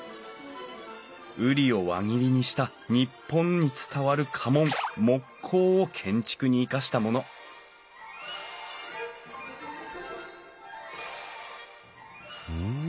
瓜を輪切りにした日本に伝わる家紋木瓜を建築に生かしたものふん。